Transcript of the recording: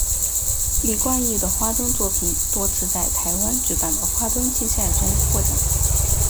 李冠毅的花灯作品多次在台湾举办的花灯竞赛中获奖。